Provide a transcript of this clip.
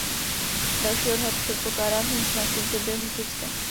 Další odhad předpokládá vznik znaku v době husitské.